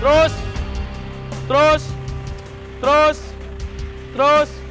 terus terus terus terus